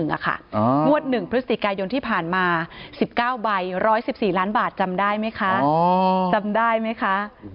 งวด๑พฤศจิกายนที่ผ่านมา๑๙ใบ๑๑๔ล้านบาทจำได้ไหมคะ